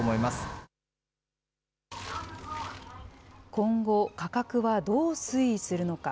今後、価格はどう推移するのか。